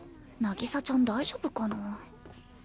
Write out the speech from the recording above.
渚ちゃん大丈夫かな？